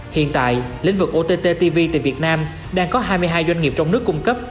hiện tại lĩnh vực ottv tại việt nam đang có hai mươi hai doanh nghiệp trong nước cung cấp